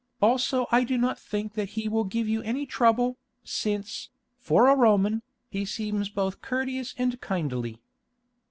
Also I do not think that he will give you any trouble, since, for a Roman, he seems both courteous and kindly."